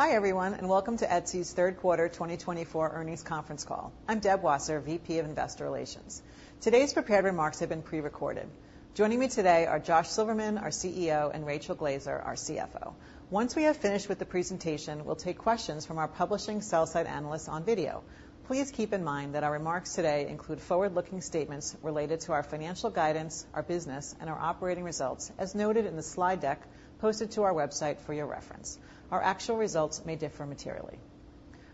Hi everyone, and welcome to Etsy's Third Quarter 2024 Earnings Conference Call. I'm Deb Wasser, VP of Investor Relations. Today's prepared remarks have been pre-recorded. Joining me today are Josh Silverman, our CEO, and Rachel Glaser, our CFO. Once we have finished with the presentation, we'll take questions from our participating sell-side analysts on video. Please keep in mind that our remarks today include forward-looking statements related to our financial guidance, our business, and our operating results, as noted in the slide deck posted to our website for your reference. Our actual results may differ materially.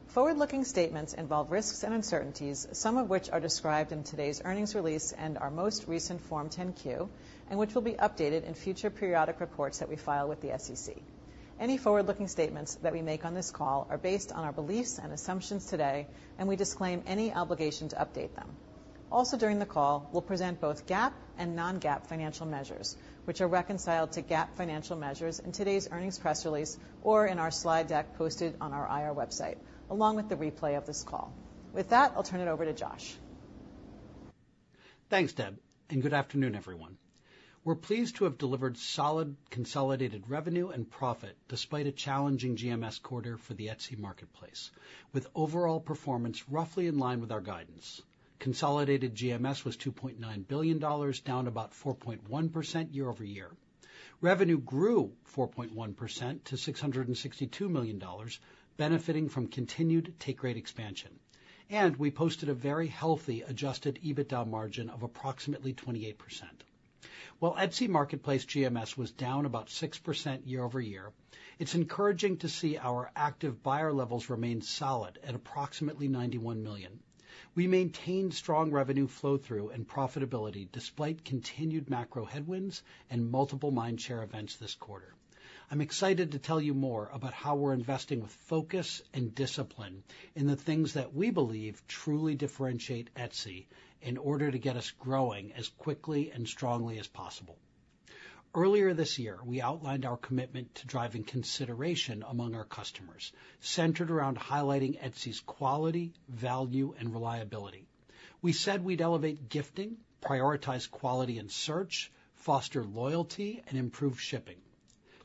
Forward-looking statements involve risks and uncertainties, some of which are described in today's earnings release and our most recent Form 10-Q, and which will be updated in future periodic reports that we file with the SEC. Any forward-looking statements that we make on this call are based on our beliefs and assumptions today, and we disclaim any obligation to update them. Also, during the call, we'll present both GAAP and non-GAAP financial measures, which are reconciled to GAAP financial measures in today's earnings press release or in our slide deck posted on our IR website, along with the replay of this call. With that, I'll turn it over to Josh. Thanks, Deb, and good afternoon, everyone. We're pleased to have delivered solid consolidated revenue and profit despite a challenging GMS quarter for the Etsy marketplace, with overall performance roughly in line with our guidance. Consolidated GMS was $2.9 billion, down about 4.1% year-over-year. Revenue grew 4.1% to $662 million, benefiting from continued take-rate expansion, and we posted a very healthy Adjusted EBITDA margin of approximately 28%. While Etsy marketplace GMS was down about 6% year-over-year, it's encouraging to see our active buyer levels remain solid at approximately 91 million. We maintained strong revenue flow-through and profitability despite continued macro headwinds and multiple mind-share events this quarter. I'm excited to tell you more about how we're investing with focus and discipline in the things that we believe truly differentiate Etsy in order to get us growing as quickly and strongly as possible. Earlier this year, we outlined our commitment to driving consideration among our customers, centered around highlighting Etsy's quality, value, and reliability. We said we'd elevate gifting, prioritize quality in search, foster loyalty, and improve shipping.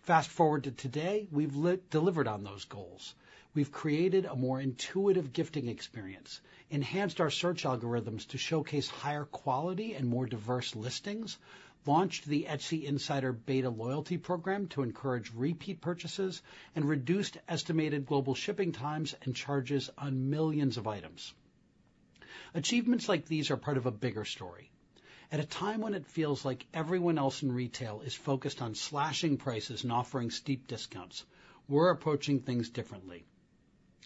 Fast forward to today, we've delivered on those goals. We've created a more intuitive gifting experience, enhanced our search algorithms to showcase higher quality and more diverse listings, launched the Etsy Insider Beta Loyalty Program to encourage repeat purchases, and reduced estimated global shipping times and charges on millions of items. Achievements like these are part of a bigger story. At a time when it feels like everyone else in retail is focused on slashing prices and offering steep discounts, we're approaching things differently.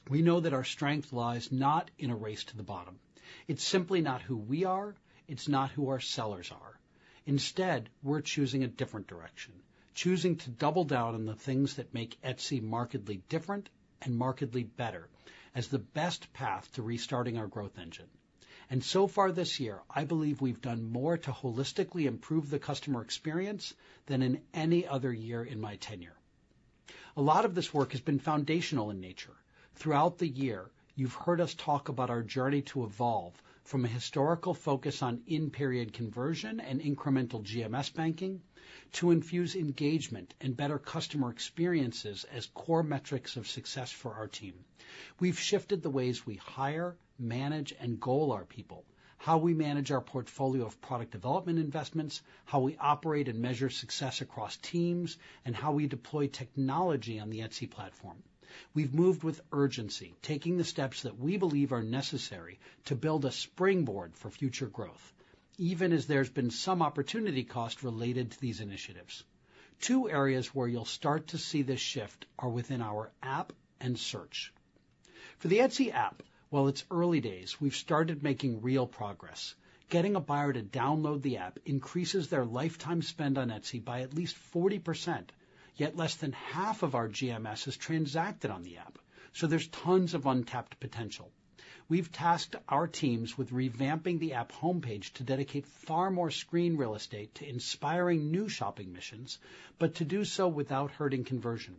We know that our strength lies not in a race to the bottom. It's simply not who we are. It's not who our sellers are. Instead, we're choosing a different direction, choosing to double down on the things that make Etsy markedly different and markedly better as the best path to restarting our growth engine. And so far this year, I believe we've done more to holistically improve the customer experience than in any other year in my tenure. A lot of this work has been foundational in nature. Throughout the year, you've heard us talk about our journey to evolve from a historical focus on in-period conversion and incremental GMS banking to infuse engagement and better customer experiences as core metrics of success for our team. We've shifted the ways we hire, manage, and goal our people, how we manage our portfolio of product development investments, how we operate and measure success across teams, and how we deploy technology on the Etsy platform. We've moved with urgency, taking the steps that we believe are necessary to build a springboard for future growth, even as there's been some opportunity cost related to these initiatives. 2 areas where you'll start to see this shift are within our app and search. For the Etsy app, while it's early days, we've started making real progress. Getting a buyer to download the app increases their lifetime spend on Etsy by at least 40%, yet less than half of our GMS is transacted on the app, so there's tons of untapped potential. We've tasked our teams with revamping the app homepage to dedicate far more screen real estate to inspiring new shopping missions, but to do so without hurting conversion.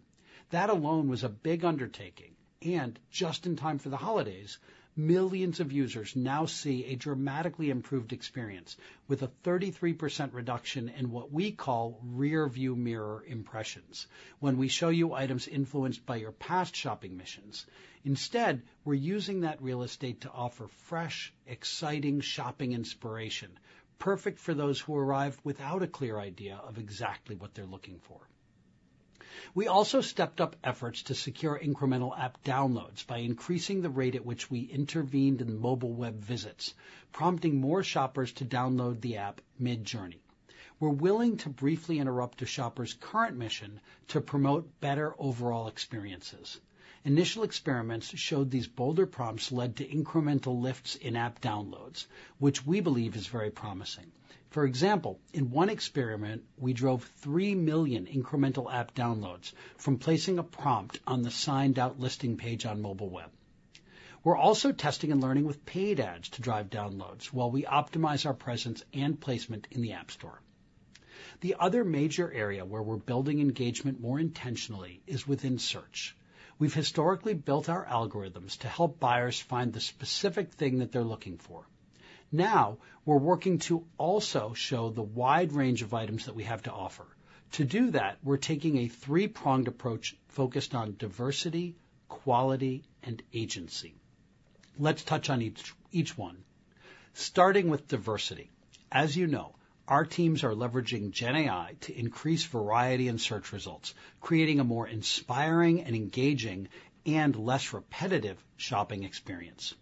That alone was a big undertaking, and just in time for the holidays, millions of users now see a dramatically improved experience with a 33% reduction in what we call rearview mirror impressions when we show you items influenced by your past shopping missions. Instead, we're using that real estate to offer fresh, exciting shopping inspiration, perfect for those who arrived without a clear idea of exactly what they're looking for. We also stepped up efforts to secure incremental app downloads by increasing the rate at which we intervened in mobile web visits, prompting more shoppers to download the app mid-journey. We're willing to briefly interrupt a shopper's current mission to promote better overall experiences. Initial experiments showed these bolder prompts led to incremental lifts in app downloads, which we believe is very promising. For example, in one experiment, we drove 3 million incremental app downloads from placing a prompt on the signed-out listing page on mobile web. We're also testing and learning with paid ads to drive downloads while we optimize our presence and placement in the app store. The other major area where we're building engagement more intentionally is within search. We've historically built our algorithms to help buyers find the specific thing that they're looking for. Now, we're working to also show the wide range of items that we have to offer. To do that, we're taking a 3-pronged approach focused on diversity, quality, and agency. Let's touch on each one. Starting with diversity. As you know, our teams are leveraging GenAI to increase variety in search results, creating a more inspiring and engaging and less repetitive shopping experience.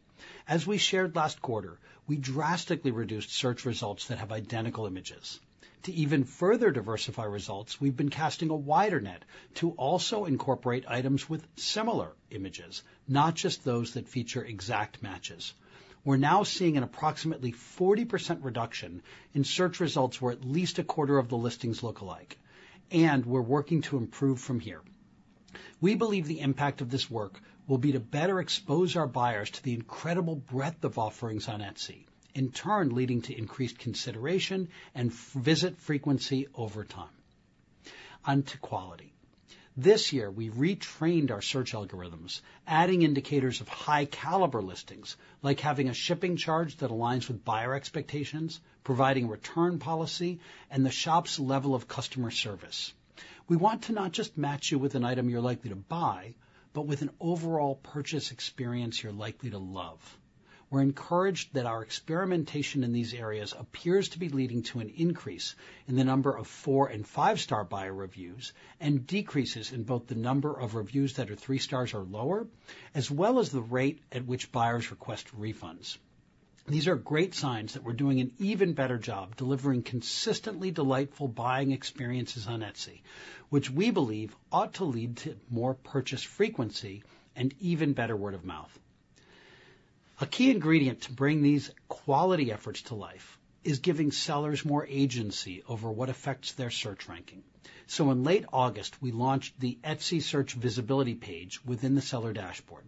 As we shared last quarter, we drastically reduced search results that have identical images. To even further diversify results, we've been casting a wider net to also incorporate items with similar images, not just those that feature exact matches. We're now seeing an approximately 40% reduction in search results where at least a quarter of the listings look alike, and we're working to improve from here. We believe the impact of this work will be to better expose our buyers to the incredible breadth of offerings on Etsy, in turn leading to increased consideration and visit frequency over time. Onto quality. This year, we've retrained our search algorithms, adding indicators of high-caliber listings, like having a shipping charge that aligns with buyer expectations, providing return policy, and the shop's level of customer service. We want to not just match you with an item you're likely to buy, but with an overall purchase experience you're likely to love. We're encouraged that our experimentation in these areas appears to be leading to an increase in the number of 4 and 5-star buyer reviews and decreases in both the number of reviews that are 3 stars or lower, as well as the rate at which buyers request refunds. These are great signs that we're doing an even better job delivering consistently delightful buying experiences on Etsy, which we believe ought to lead to more purchase frequency and even better word of mouth. A key ingredient to bring these quality efforts to life is giving sellers more agency over what affects their search ranking. So in late August, we launched the Etsy Search Visibility page within the seller dashboard.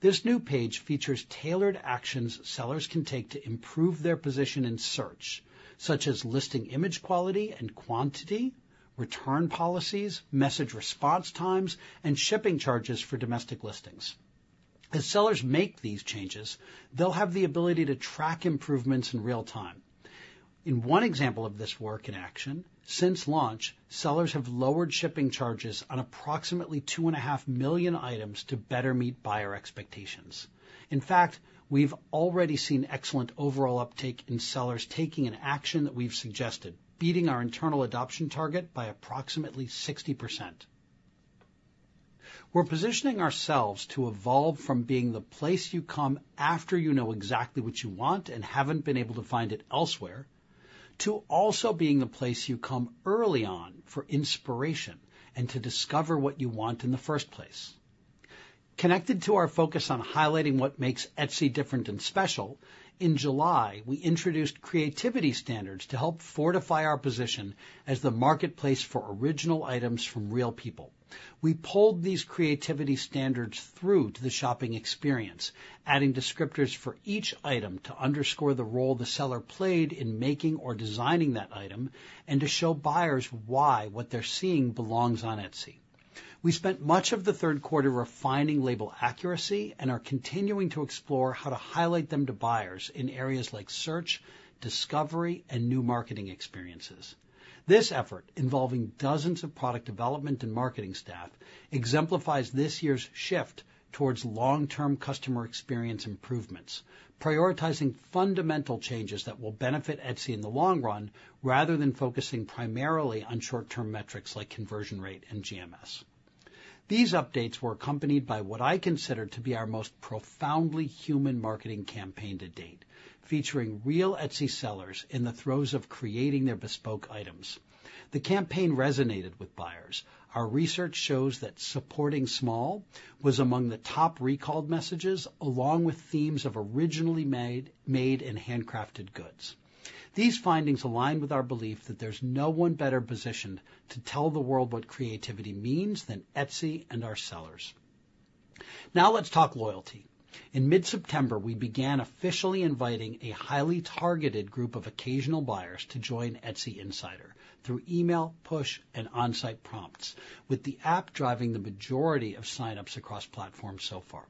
This new page features tailored actions sellers can take to improve their position in search, such as listing image quality and quantity, return policies, message response times, and shipping charges for domestic listings. As sellers make these changes, they'll have the ability to track improvements in real time. In one example of this work in action, since launch, sellers have lowered shipping charges on approximately 2.5 million items to better meet buyer expectations. In fact, we've already seen excellent overall uptake in sellers taking an action that we've suggested, beating our internal adoption target by approximately 60%. We're positioning ourselves to evolve from being the place you come after you know exactly what you want and haven't been able to find it elsewhere, to also being the place you come early on for inspiration and to discover what you want in the first place. Connected to our focus on highlighting what makes Etsy different and special, in July, we introduced Creativity Standards to help fortify our position as the marketplace for original items from real people. We pulled these Creativity Standards through to the shopping experience, adding descriptors for each item to underscore the role the seller played in making or designing that item and to show buyers why what they're seeing belongs on Etsy. We spent much of the third quarter refining label accuracy and are continuing to explore how to highlight them to buyers in areas like search, discovery, and new marketing experiences. This effort, involving dozens of product development and marketing staff, exemplifies this year's shift towards long-term customer experience improvements, prioritizing fundamental changes that will benefit Etsy in the long run rather than focusing primarily on short-term metrics like conversion rate and GMS. These updates were accompanied by what I consider to be our most profoundly human marketing campaign to date, featuring real Etsy sellers in the throes of creating their bespoke items. The campaign resonated with buyers. Our research shows that "Supporting Small" was among the top recalled messages, along with themes of originally made and handcrafted goods. These findings align with our belief that there's no one better positioned to tell the world what creativity means than Etsy and our sellers. Now let's talk loyalty. In mid-September, we began officially inviting a highly targeted group of occasional buyers to join Etsy Insider through email, push, and on-site prompts, with the app driving the majority of sign-ups across platforms so far.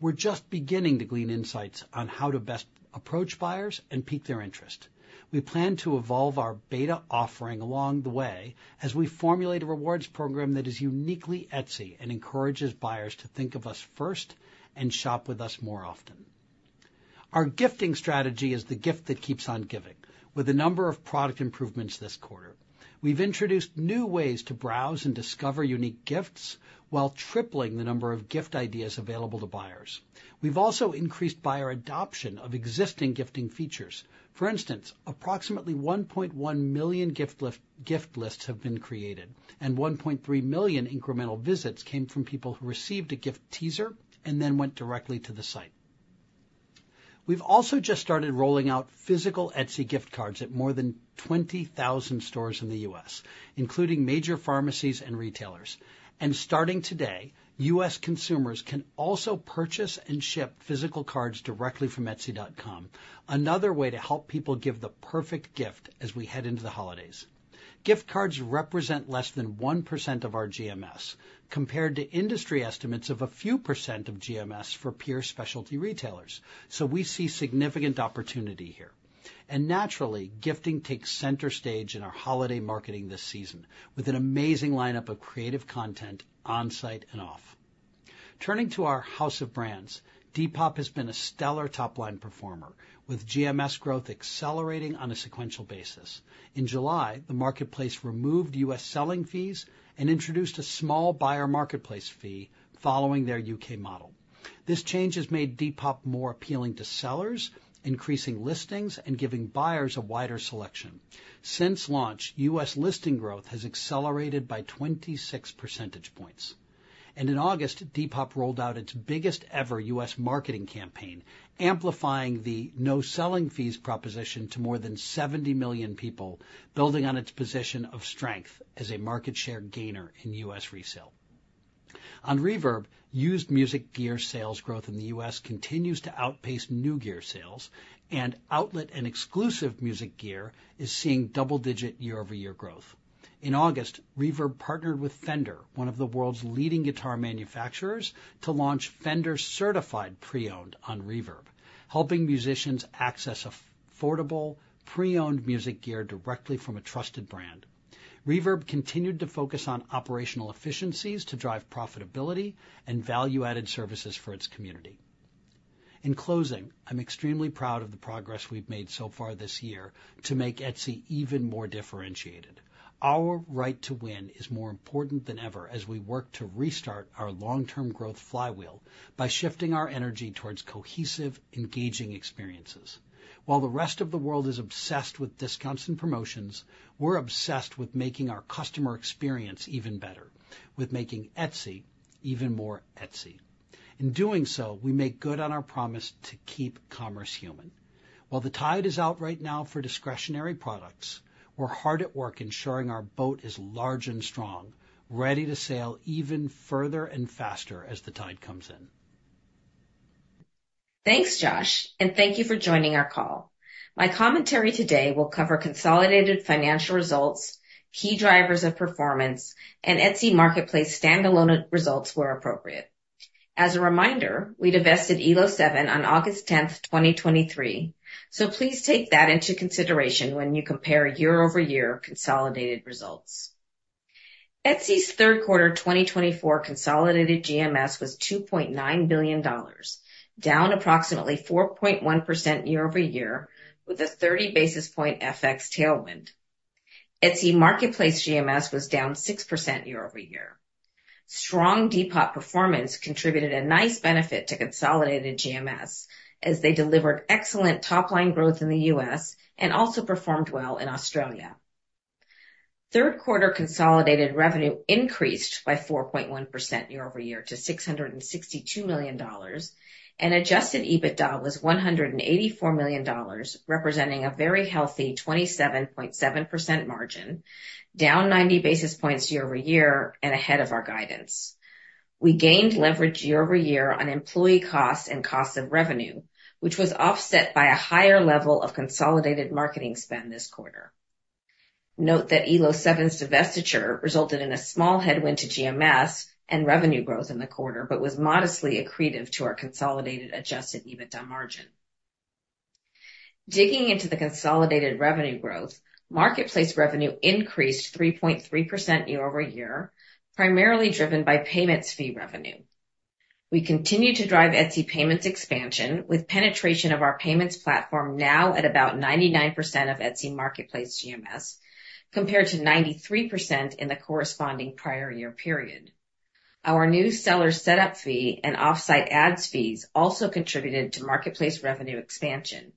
We're just beginning to glean insights on how to best approach buyers and pique their interest. We plan to evolve our beta offering along the way as we formulate a rewards program that is uniquely Etsy and encourages buyers to think of us first and shop with us more often. Our gifting strategy is the gift that keeps on giving, with a number of product improvements this quarter. We've introduced new ways to browse and discover unique gifts while tripling the number of gift ideas available to buyers. We've also increased buyer adoption of existing gifting features. For instance, approximately 1.1 million gift lists have been created, and 1.3 million incremental visits came from people who received a Gift Teaser and then went directly to the site. We've also just started rolling out physical Etsy Gift Cards at more than 20,000 stores in the U.S., including major pharmacies and retailers. Starting today, U.S. consumers can also purchase and ship physical cards directly from Etsy.com, another way to help people give the perfect gift as we head into the holidays. Gift cards represent less than 1% of our GMS, compared to industry estimates of a few % of GMS for pure specialty retailers, so we see significant opportunity here. And naturally, gifting takes center stage in our holiday marketing this season, with an amazing lineup of creative content on-site and off. Turning to our house of brands, Depop has been a stellar top-line performer, with GMS growth accelerating on a sequential basis. In July, the marketplace removed U.S. selling fees and introduced a small buyer marketplace fee following their U.K. model. This change has made Depop more appealing to sellers, increasing listings and giving buyers a wider selection. Since launch, U.S. listing growth has accelerated by 26 percentage points. In August, Depop rolled out its biggest-ever U.S. marketing campaign, amplifying the no-selling fees proposition to more than 70 million people, building on its position of strength as a market share gainer in U.S. resale. On Reverb, used music gear sales growth in the U.S. continues to outpace new gear sales, and outlet and exclusive music gear is seeing double-digit year-over-year growth. In August, Reverb partnered with Fender, one of the world's leading guitar manufacturers, to launch Fender Certified Pre-Owned on Reverb, helping musicians access affordable pre-owned music gear directly from a trusted brand. Reverb continued to focus on operational efficiencies to drive profitability and value-added services for its community. In closing, I'm extremely proud of the progress we've made so far this year to make Etsy even more differentiated. Our right to win is more important than ever as we work to restart our long-term growth flywheel by shifting our energy towards cohesive, engaging experiences. While the rest of the world is obsessed with discounts and promotions, we're obsessed with making our customer experience even better, with making Etsy even more Etsy. In doing so, we make good on our promise to keep commerce human. While the tide is out right now for discretionary products, we're hard at work ensuring our boat is large and strong, ready to sail even further and faster as the tide comes in. Thanks, Josh, and thank you for joining our call. My commentary today will cover consolidated financial results, key drivers of performance, and Etsy marketplace standalone results where appropriate. As a reminder, we divested Elo7 on 10th August, 2023, so please take that into consideration when you compare year-over-year consolidated results. Etsy's third quarter 2024 consolidated GMS was $2.9 billion, down approximately 4.1% year-over-year with a 30 basis points FX tailwind. Etsy marketplace GMS was down 6% year-over-year. Strong Depop performance contributed a nice benefit to consolidated GMS as they delivered excellent top-line growth in the U.S. and also performed well in Australia. Third quarter consolidated revenue increased by 4.1% year-over-year to $662 million, and adjusted EBITDA was $184 million, representing a very healthy 27.7% margin, down 90 basis points year-over-year and ahead of our guidance. We gained leverage year-over-year on employee costs and cost of revenue, which was offset by a higher level of consolidated marketing spend this quarter. Note that Elo7's divestiture resulted in a small headwind to GMS and revenue growth in the quarter, but was modestly accretive to our consolidated adjusted EBITDA margin. Digging into the consolidated revenue growth, marketplace revenue increased 3.3% year-over-year, primarily driven by Payments fee revenue. We continue to drive Etsy Payments expansion with penetration of our payments platform now at about 99% of Etsy marketplace GMS, compared to 93% in the corresponding prior year period. Our new seller setup fee and Offsite Ads fees also contributed to marketplace revenue expansion.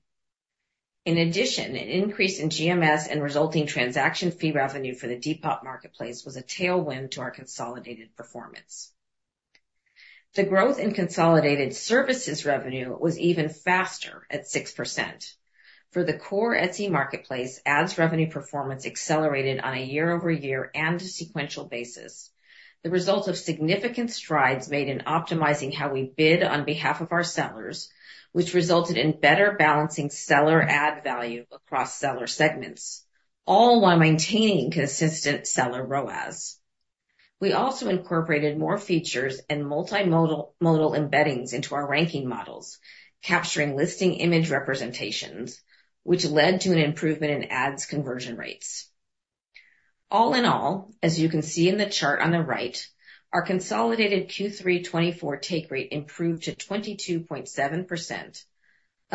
In addition, an increase in GMS and resulting transaction fee revenue for the Depop marketplace was a tailwind to our consolidated performance. The growth in consolidated services revenue was even faster at 6%. For the core Etsy marketplace, ads revenue performance accelerated on a year-over-year and sequential basis. The result of significant strides made in optimizing how we bid on behalf of our sellers, which resulted in better balancing seller ad value across seller segments, all while maintaining consistent seller ROAS. We also incorporated more features and multimodal embeddings into our ranking models, capturing listing image representations, which led to an improvement in ads conversion rates. All in all, as you can see in the chart on the right, our consolidated Q3 2024 take rate improved to 22.7%,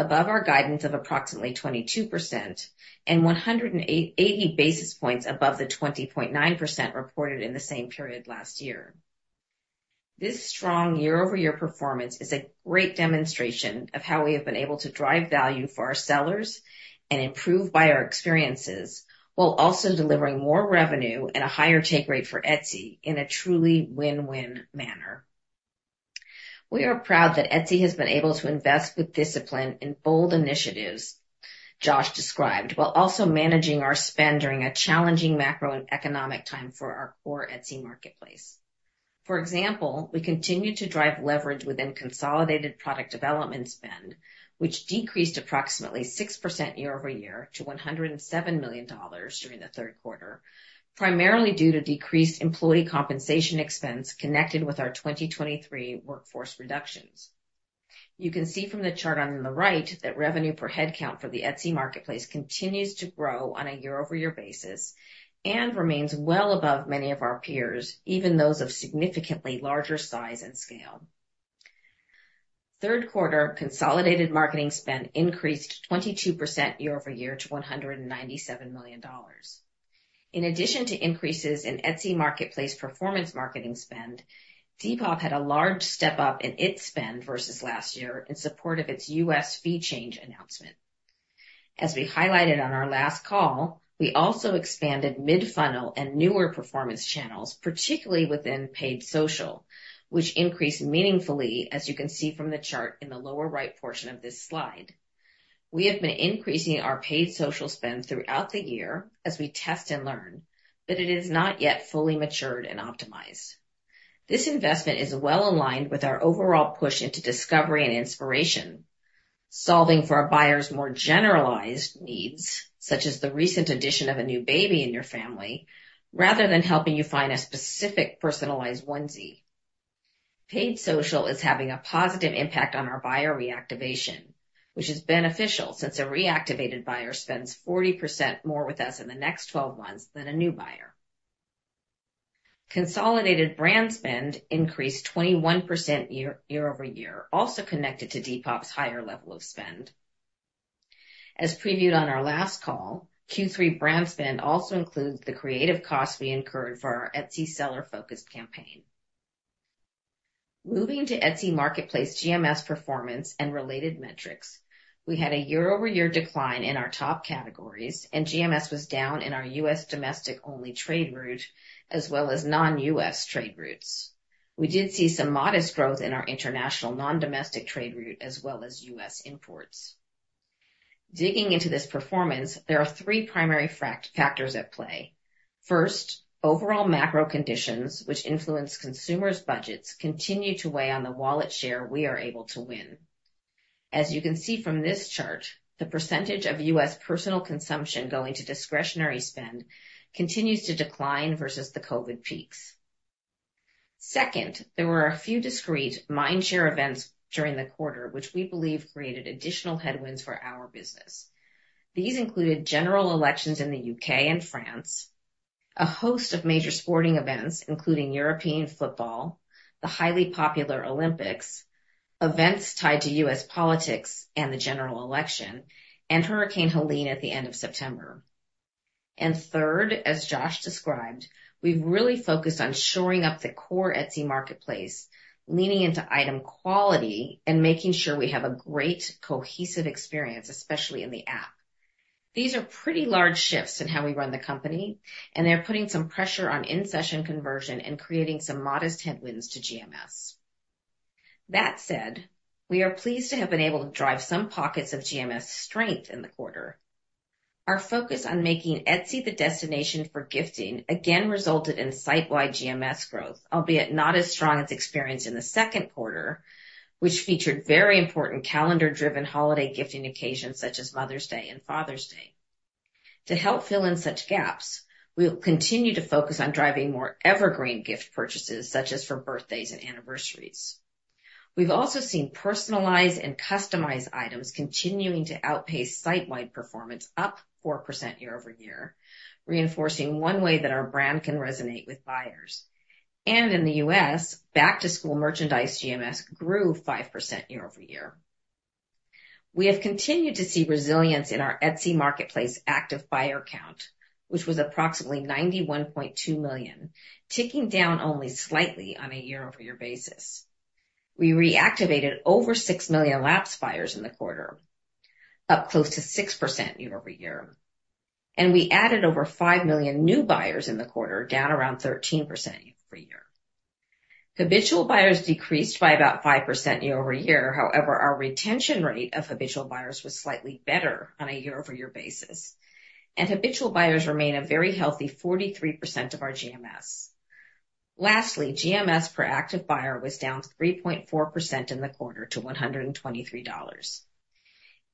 above our guidance of approximately 22% and 180 basis points above the 20.9% reported in the same period last year. This strong year-over-year performance is a great demonstration of how we have been able to drive value for our sellers and improve buyer experiences while also delivering more revenue and a higher take rate for Etsy in a truly win-win manner. We are proud that Etsy has been able to invest with discipline in bold initiatives, Josh described, while also managing our spend during a challenging macro and economic time for our core Etsy marketplace. For example, we continue to drive leverage within consolidated product development spend, which decreased approximately 6% year-over-year to $107 million during the third quarter, primarily due to decreased employee compensation expense connected with our 2023 workforce reductions. You can see from the chart on the right that revenue per headcount for the Etsy marketplace continues to grow on a year-over-year basis and remains well above many of our peers, even those of significantly larger size and scale. Third quarter, consolidated marketing spend increased 22% year-over-year to $197 million. In addition to increases in Etsy marketplace performance marketing spend, Depop had a large step up in its spend versus last year in support of its U.S. fee change announcement. As we highlighted on our last call, we also expanded mid-funnel and newer performance channels, particularly within paid social, which increased meaningfully, as you can see from the chart in the lower right portion of this slide. We have been increasing our paid social spend throughout the year as we test and learn, but it is not yet fully matured and optimized. This investment is well aligned with our overall push into discovery and inspiration, solving for our buyers' more generalized needs, such as the recent addition of a new baby in your family, rather than helping you find a specific personalized Onesie. Paid social is having a positive impact on our buyer reactivation, which is beneficial since a reactivated buyer spends 40% more with us in the next 12 months than a new buyer. Consolidated brand spend increased 21% year-over-year, also connected to Depop's higher level of spend. As previewed on our last call, Q3 brand spend also includes the creative costs we incurred for our Etsy seller-focused campaign. Moving to Etsy marketplace GMS performance and related metrics, we had a year-over-year decline in our top categories, and GMS was down in our U.S. domestic-only trade route as well as non-U.S. trade routes. We did see some modest growth in our international non-domestic trade route as well as U.S. imports. Digging into this performance, there are 3 primary factors at play. First, overall macro conditions, which influence consumers' budgets, continue to weigh on the wallet share we are able to win. As you can see from this chart, the percentage of U.S. personal consumption going to discretionary spend continues to decline versus the COVID peaks. Second, there were a few discrete mindshare events during the quarter, which we believe created additional headwinds for our business. These included general elections in the U.K. and France, a host of major sporting events, including European football, the highly popular Olympics, events tied to U.S. politics and the general election, and Hurricane Helene at the end of September. And third, as Josh described, we've really focused on shoring up the core Etsy marketplace, leaning into item quality and making sure we have a great cohesive experience, especially in the app. These are pretty large shifts in how we run the company, and they're putting some pressure on in-session conversion and creating some modest headwinds to GMS. That said, we are pleased to have been able to drive some pockets of GMS strength in the quarter. Our focus on making Etsy the destination for gifting again resulted in sitewide GMS growth, albeit not as strong as experienced in the second quarter, which featured very important calendar-driven holiday gifting occasions such as Mother's Day and Father's Day. To help fill in such gaps, we will continue to focus on driving more evergreen gift purchases such as for birthdays and anniversaries. We've also seen personalized and customized items continuing to outpace sitewide performance up 4% year-over-year, reinforcing one way that our brand can resonate with buyers. And in the U.S., back-to-school merchandise GMS grew 5% year-over-year. We have continued to see resilience in our Etsy marketplace active buyer count, which was approximately 91.2 million, ticking down only slightly on a year-over-year basis. We reactivated over 6 million lapse buyers in the quarter, up close to 6% year-over-year. We added over 5 million new buyers in the quarter, down around 13% year-over-year. Habitual buyers decreased by about 5% year-over-year. However, our retention rate of habitual buyers was slightly better on a year-over-year basis. Habitual buyers remain a very healthy 43% of our GMS. Lastly, GMS per active buyer was down 3.4% in the quarter to $123.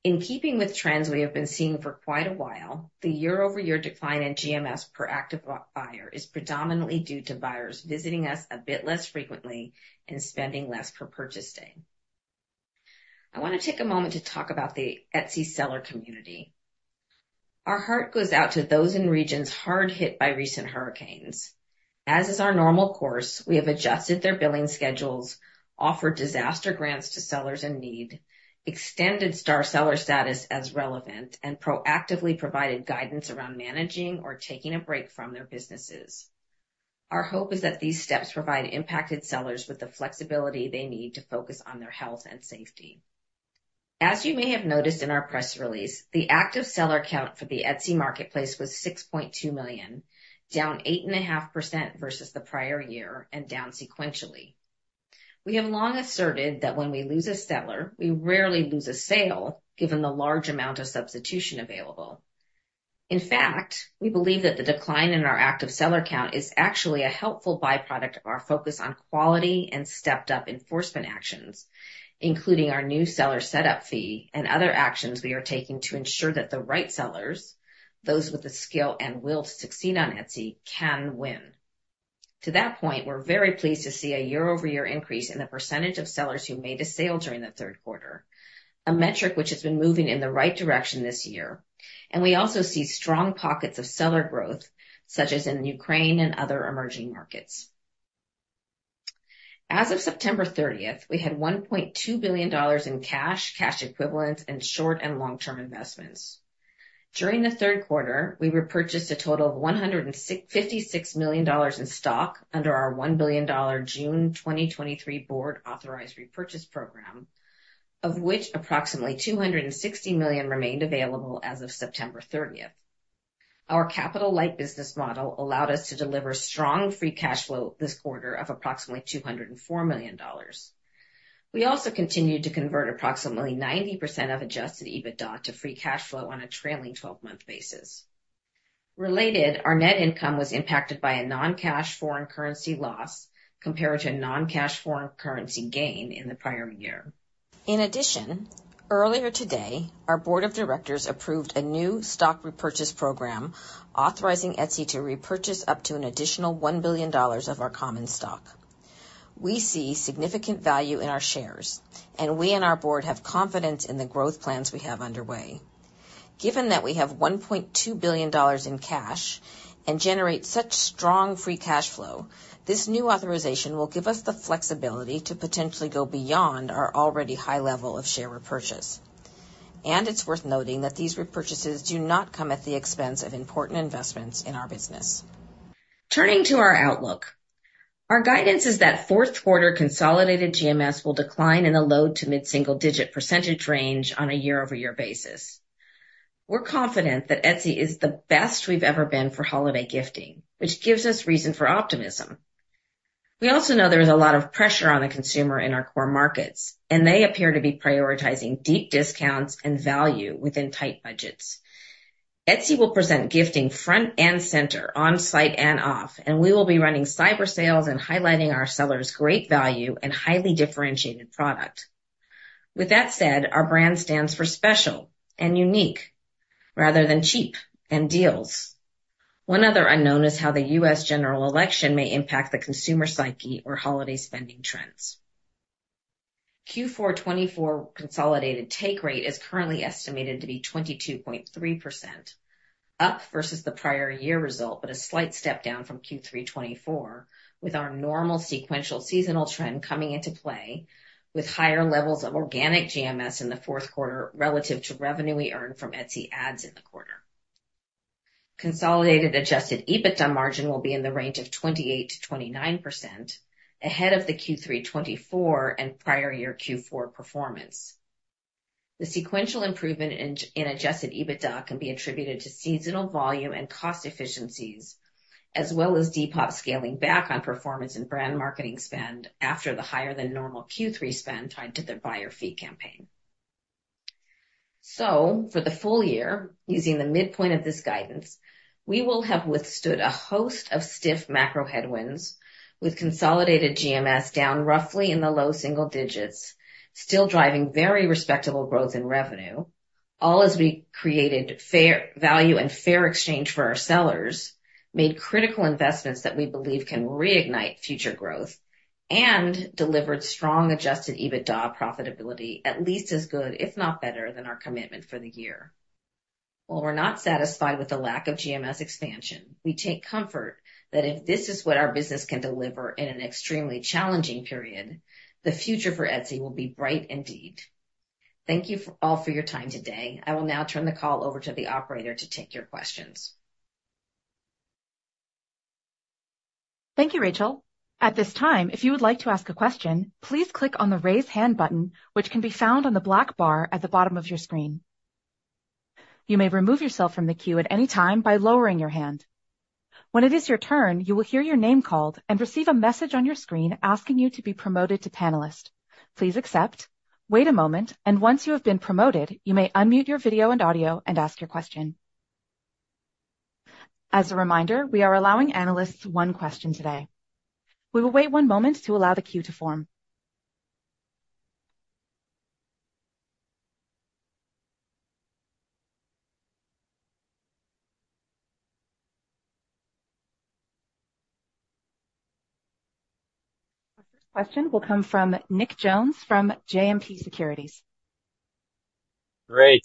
In keeping with trends we have been seeing for quite a while, the year-over-year decline in GMS per active buyer is predominantly due to buyers visiting us a bit less frequently and spending less per purchase day. I want to take a moment to talk about the Etsy seller community. Our heart goes out to those in regions hard hit by recent hurricanes. As is our normal course, we have adjusted their billing schedules, offered disaster grants to sellers in need, extended Star Seller status as relevant, and proactively provided guidance around managing or taking a break from their businesses. Our hope is that these steps provide impacted sellers with the flexibility they need to focus on their health and safety. As you may have noticed in our press release, the active seller count for the Etsy marketplace was 6.2 million, down 8.5% versus the prior year and down sequentially. We have long asserted that when we lose a seller, we rarely lose a sale given the large amount of substitution available. In fact, we believe that the decline in our active seller count is actually a helpful byproduct of our focus on quality and stepped-up enforcement actions, including our new seller setup fee and other actions we are taking to ensure that the right sellers, those with the skill and will to succeed on Etsy, can win. To that point, we're very pleased to see a year-over-year increase in the percentage of sellers who made a sale during the third quarter, a metric which has been moving in the right direction this year. And we also see strong pockets of seller growth, such as in Ukraine and other emerging markets. As of September 30th, we had $1.2 billion in cash, cash equivalents, and short and long-term investments. During the third quarter, we repurchased a total of $156 million in stock under our $1 billion June 2023 board-authorized repurchase program, of which approximately $260 million remained available as of September 30th. Our capital-light business model allowed us to deliver strong free cash flow this quarter of approximately $204 million. We also continued to convert approximately 90% of Adjusted EBITDA to free cash flow on a trailing 12-month basis. Related, our net income was impacted by a non-cash foreign currency loss compared to a non-cash foreign currency gain in the prior year. In addition, earlier today, our board of directors approved a new stock repurchase program authorizing Etsy to repurchase up to an additional $1 billion of our common stock. We see significant value in our shares, and we and our board have confidence in the growth plans we have underway. Given that we have $1.2 billion in cash and generate such strong free cash flow, this new authorization will give us the flexibility to potentially go beyond our already high level of share repurchase. And it's worth noting that these repurchases do not come at the expense of important investments in our business. Turning to our outlook, our guidance is that 4th quarter consolidated GMS will decline in a low- to mid-single-digit % range on a year-over-year basis. We're confident that Etsy is the best we've ever been for holiday gifting, which gives us reason for optimism. We also know there is a lot of pressure on the consumer in our core markets, and they appear to be prioritizing deep discounts and value within tight budgets. Etsy will present gifting front and center, on-site and off, and we will be running cyber sales and highlighting our sellers' great value and highly differentiated product. With that said, our brand stands for special and unique rather than cheap and deals. One other unknown is how the U.S. general election may impact the consumer psyche or holiday spending trends. Q4 2024 consolidated take rate is currently estimated to be 22.3%, up versus the prior year result, but a slight step down from Q3 2024, with our normal sequential seasonal trend coming into play with higher levels of organic GMS in the 4th quarter relative to revenue we earned from Etsy Ads in the quarter. Consolidated adjusted EBITDA margin will be in the range of 28%-29 ahead of the Q3 2024 and prior year Q4 performance. The sequential improvement in Adjusted EBITDA can be attributed to seasonal volume and cost efficiencies, as well as Depop scaling back on performance and brand marketing spend after the higher-than-normal Q3 spend tied to the buyer fee campaign. For the full year, using the midpoint of this guidance, we will have withstood a host of stiff macro headwinds, with consolidated GMS down roughly in the low single digits, still driving very respectable growth in revenue, all as we created fair value and fair exchange for our sellers, made critical investments that we believe can reignite future growth, and delivered strong Adjusted EBITDA profitability, at least as good, if not better, than our commitment for the year. While we're not satisfied with the lack of GMS expansion, we take comfort that if this is what our business can deliver in an extremely challenging period, the future for Etsy will be bright indeed. Thank you all for your time today. I will now turn the call over to the operator to take your questions. Thank you, Rachel. At this time, if you would like to ask a question, please click on the raise hand button, which can be found on the black bar at the bottom of your screen. You may remove yourself from the queue at any time by lowering your hand. When it is your turn, you will hear your name called and receive a message on your screen asking you to be promoted to panelist. Please accept, wait a moment, and once you have been promoted, you may unmute your video and audio and ask your question. As a reminder, we are allowing analysts one question today. We will wait one moment to allow the queue to form. Our first question will come from Nick Jones from JMP Securities. Great.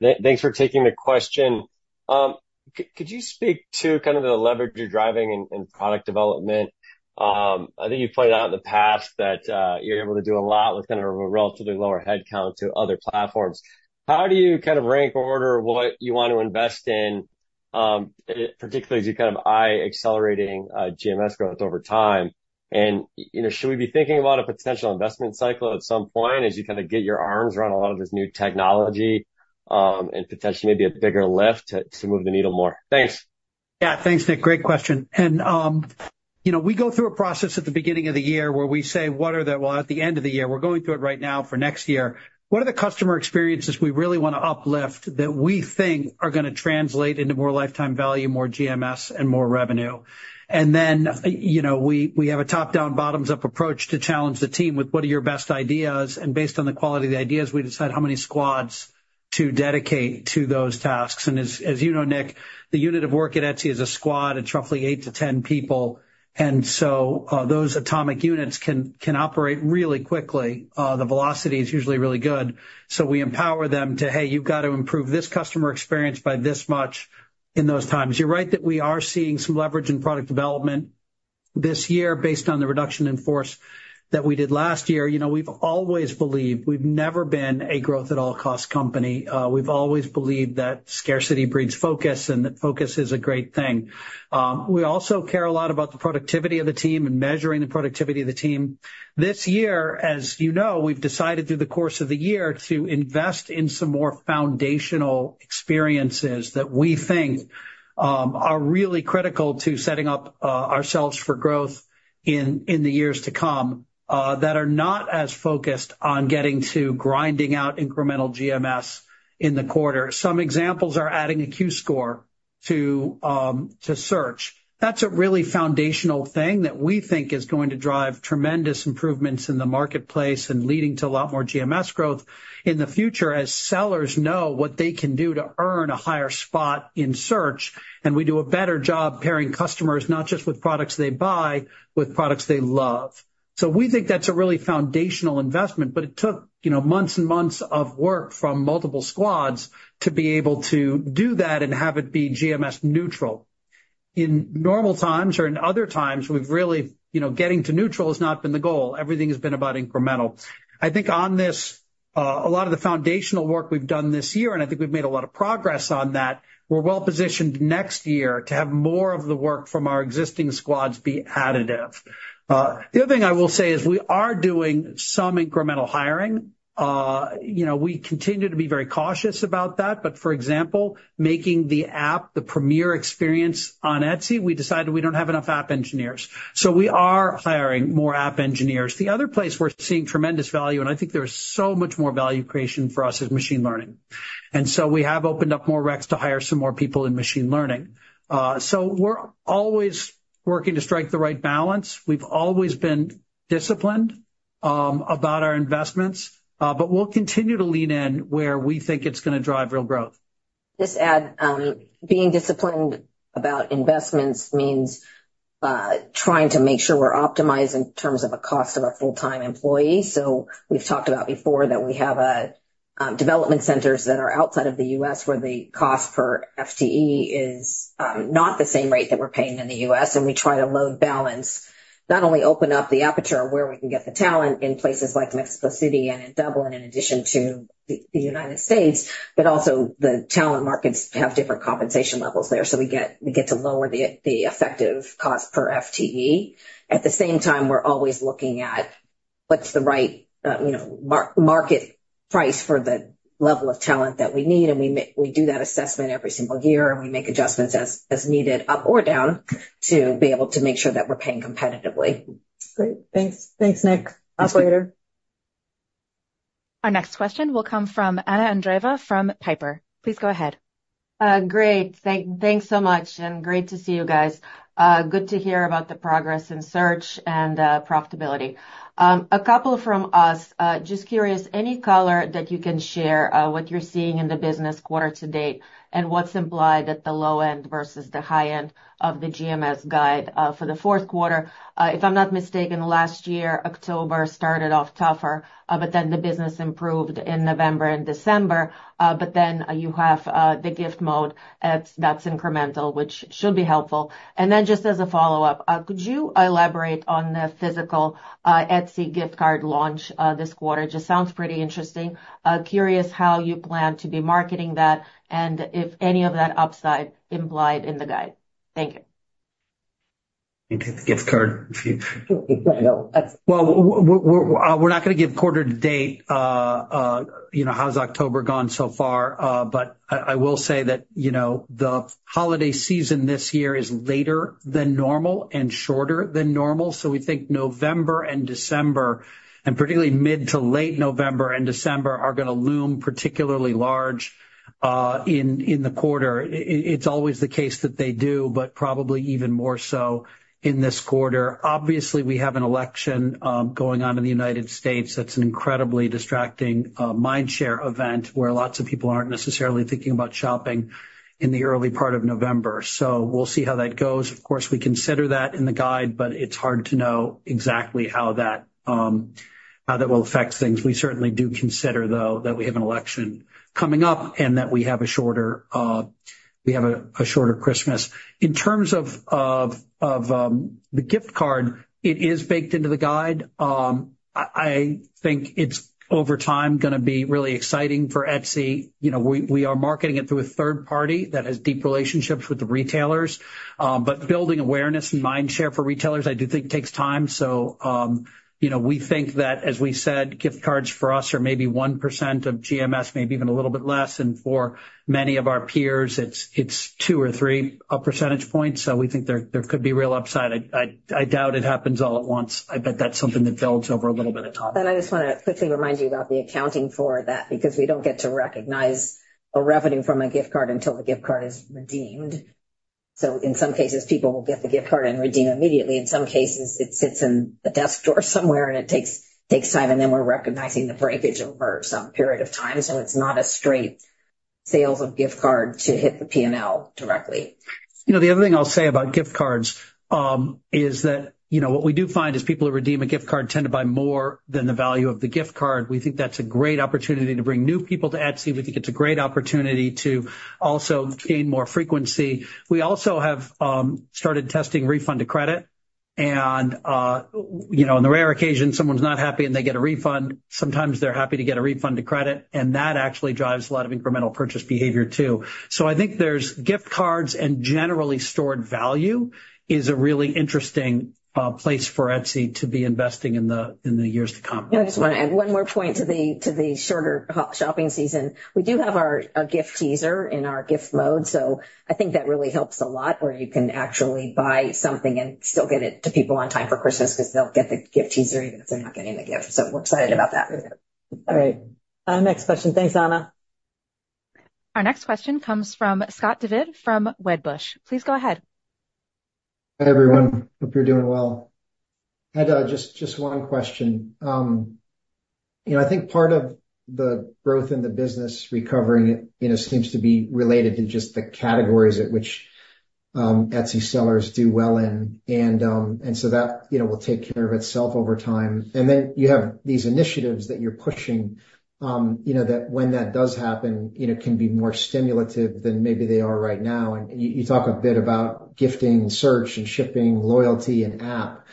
Thanks for taking the question. Could you speak to kind of the leverage you're driving in product development? I think you've pointed out in the past that you're able to do a lot with kind of a relatively lower headcount to other platforms. How do you kind of rank order what you want to invest in, particularly as you kind of eye accelerating GMS growth over time? And should we be thinking about a potential investment cycle at some point as you kind of get your arms around a lot of this new technology and potentially maybe a bigger lift to move the needle more? Thanks. Yeah, thanks, Nick. Great question. And we go through a process at the beginning of the year where we say, "What are the—" well, at the end of the year, we're going through it right now for next year. What are the customer experiences we really want to uplift that we think are going to translate into more lifetime value, more GMS, and more revenue? And then we have a top-down, bottoms-up approach to challenge the team with, "What are your best ideas?" And based on the quality of the ideas, we decide how many squads to dedicate to those tasks. As you know, Nick, the unit of work at Etsy is a squad. It's roughly 8-10 people. And so those atomic units can operate really quickly. The velocity is usually really good. So we empower them to, "Hey, you've got to improve this customer experience by this much in those times." You're right that we are seeing some leverage in product development this year based on the reduction in force that we did last year. We've always believed we've never been a growth-at-all-cost company. We've always believed that scarcity breeds focus, and that focus is a great thing. We also care a lot about the productivity of the team and measuring the productivity of the team. This year, as you know, we've decided through the course of the year to invest in some more foundational experiences that we think are really critical to setting up ourselves for growth in the years to come that are not as focused on getting to grinding out incremental GMS in the quarter. Some examples are adding a Q-score to Search. That's a really foundational thing that we think is going to drive tremendous improvements in the marketplace and leading to a lot more GMS growth in the future as sellers know what they can do to earn a higher spot in Search, and we do a better job pairing customers not just with products they buy, with products they love. So we think that's a really foundational investment, but it took months and months of work from multiple squads to be able to do that and have it be GMS-neutral. In normal times or in other times, we've really, getting to neutral has not been the goal. Everything has been about incremental. I think on this, a lot of the foundational work we've done this year, and I think we've made a lot of progress on that, we're well positioned next year to have more of the work from our existing squads be additive. The other thing I will say is we are doing some incremental hiring. We continue to be very cautious about that, but for example, making the app the premier experience on Etsy, we decided we don't have enough app engineers. So we are hiring more app engineers. The other place we're seeing tremendous value, and I think there's so much more value creation for us is machine learning. And so we have opened up more reqs to hire some more people in machine learning. So we're always working to strike the right balance. We've always been disciplined about our investments, but we'll continue to lean in where we think it's going to drive real growth. Just add, being disciplined about investments means trying to make sure we're optimized in terms of a cost of a full-time employee. So we've talked about before that we have development centers that are outside of the U.S. where the cost per FTE is not the same rate that we're paying in the U.S. And we try to load balance, not only open up the aperture where we can get the talent in places like Mexico City and in Dublin in addition to the United States, but also the talent markets have different compensation levels there. So we get to lower the effective cost per FTE. At the same time, we're always looking at what's the right market price for the level of talent that we need. And we do that assessment every single year, and we make adjustments as needed, up or down, to be able to make sure that we're paying competitively. Great. Thanks. Thanks, Nick. Operator. Our next question will come from Anna Andreeva from Piper. Please go ahead. Great. Thanks so much, and great to see you guys. Good to hear about the progress in Search and profitability. A couple from us, just curious, any color that you can share what you're seeing in the business quarter to date and what's implied at the low end versus the high end of the GMS guide for the 4th quarter? If I'm not mistaken, last year, October started off tougher, but then the business improved in November and December. But then you have the Gift Mode that's incremental, which should be helpful. And then just as a follow-up, could you elaborate on the physical Etsy Gift Card launch this quarter? Just sounds pretty interesting. Curious how you plan to be marketing that and if any of that upside implied in the guide. Thank you. Gift Card. Well, we're not going to give quarter to date. How's October gone so far? But I will say that the holiday season this year is later than normal and shorter than normal. So we think November and December, and particularly mid to late November and December, are going to loom particularly large in the quarter. It's always the case that they do, but probably even more so in this quarter. Obviously, we have an election going on in the United States that's an incredibly distracting mind share event where lots of people aren't necessarily thinking about shopping in the early part of November. So we'll see how that goes. Of course, we consider that in the guide, but it's hard to know exactly how that will affect things. We certainly do consider, though, that we have an election coming up and that we have a shorter Christmas. In terms of the gift card, it is baked into the guide. I think it's, over time, going to be really exciting for Etsy. We are marketing it through a third party that has deep relationships with the retailers. But building awareness and mind share for retailers, I do think takes time. So we think that, as we said, gift cards for us are maybe 1% of GMS, maybe even a little bit less. And for many of our peers, it's 2 or 3 percentage points. So we think there could be real upside. I doubt it happens all at once. I bet that's something that builds over a little bit of time. And I just want to quickly remind you about the accounting for that because we don't get to recognize a revenue from a gift card until the gift card is redeemed. So in some cases, people will get the gift card and redeem immediately. In some cases, it sits in the desk drawer somewhere, and it takes time, and then we're recognizing the breakage over some period of time. So it's not a straight sales of gift card to hit the P&L directly. The other thing I'll say about gift cards is that what we do find is people who redeem a gift card tend to buy more than the value of the gift card. We think that's a great opportunity to bring new people to Etsy. We think it's a great opportunity to also gain more frequency. We also have started testing refund to credit. And on the rare occasion, someone's not happy and they get a refund. Sometimes they're happy to get a refund to credit. And that actually drives a lot of incremental purchase behavior too. So I think there's gift cards and generally stored value is a really interesting place for Etsy to be investing in the years to come. I just want to add one more point to the shorter shopping season. We do have our Gift Teaser in our Gift Mode. So I think that really helps a lot where you can actually buy something and still get it to people on time for Christmas because they'll get the Gift Teaser even if they're not getting the gift. So we're excited about that. Great. Next question. Thanks, Anna. Our next question comes from Scott Devitt from Wedbush. Please go ahead. Hey, everyone. Hope you're doing well. I had just one question. I think part of the growth in the business recovering seems to be related to just the categories at which Etsy sellers do well in. And so that will take care of itself over time. And then you have these initiatives that you're pushing that when that does happen can be more stimulative than maybe they are right now. And you talk a bit about gifting Search and shipping, loyalty, and app.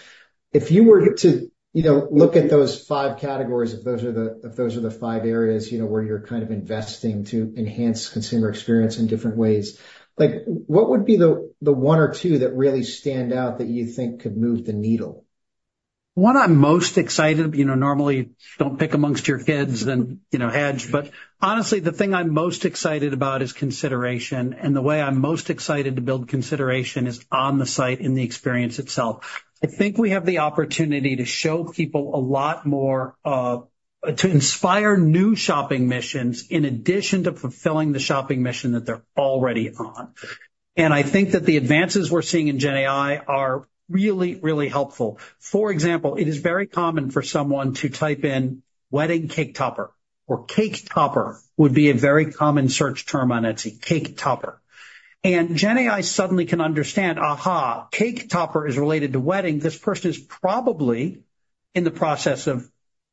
If you were to look at those 5 categories, if those are the 5 areas where you're kind of investing to enhance consumer experience in different ways, what would be the 1 or 2 that really stand out that you think could move the needle? One I'm most excited. Normally, don't pick amongst your kids and hedge, but honestly, the thing I'm most excited about is consideration, and the way I'm most excited to build consideration is on the site in the experience itself. I think we have the opportunity to show people a lot more to inspire new shopping missions in addition to fulfilling the shopping mission that they're already on. I think that the advances we're seeing in GenAI are really, really helpful. For example, it is very common for someone to type in wedding cake topper, or cake topper would be a very common search term on Etsy, cake topper, and GenAI suddenly can understand, "Aha, cake topper is related to wedding. This person is probably in the process of